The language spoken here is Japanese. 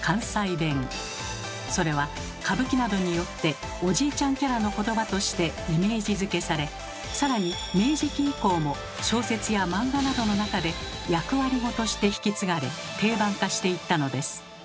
それは歌舞伎などによっておじいちゃんキャラの言葉としてイメージづけされさらに明治期以降も小説や漫画などの中で役割語として引き継がれ定番化していったのです。